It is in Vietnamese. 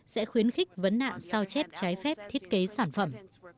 sẽ khuyến khích vấn nạn sao chép trái phép thiết kế sản phẩm